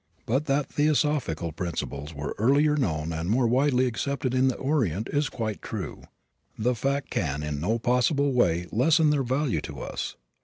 But that theosophical principles were earlier known and more widely accepted in the Orient is quite true. That fact can in no possible way lessen their value to us.